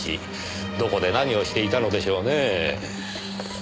どこで何をしていたのでしょうね？